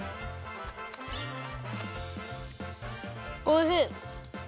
おいしい！